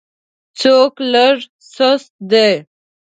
څوک لږ سست دی.